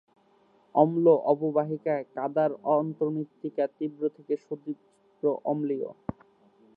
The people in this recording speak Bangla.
অম্ল অববাহিকীয় কাদা-র অন্তর্মৃত্তিকা তীব্র থেকে সুতীব্র অম্লীয়।